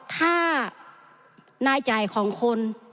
ถ้านายใจของคน